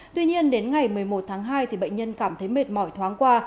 tuy nhiên đến ngày một mươi một tháng hai bệnh nhân cảm thấy mệt mỏi thoáng qua